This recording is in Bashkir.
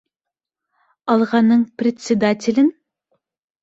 «Алға»ның председателен?